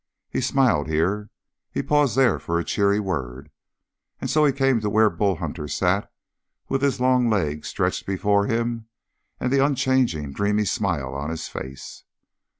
He smiled here; he paused there for a cheery word; and so he came to where Bull Hunter sat with his long legs stretched before him and the unchanging, dreamy smile on his face.